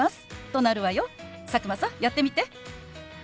佐久間さんやってみて！